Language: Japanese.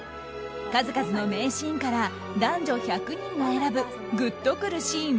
数々の名シーンから男女１００人が選ぶグッとくるシーン